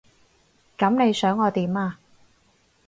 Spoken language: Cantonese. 噉你想我點啊？